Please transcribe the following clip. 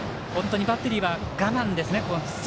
バッテリーは我慢ですね。